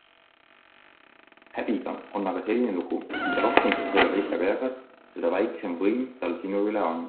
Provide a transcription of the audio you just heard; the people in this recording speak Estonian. Häbiga on aga selline lugu, et mida rohkem sa seda teistega jagad, seda väiksem võim tal sinu üle on.